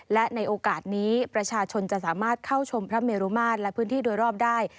และในโอกาสนี้ประชาชนจะสามารถเข้าชมพระเมรุมาตรและพื้นที่โดยรอบได้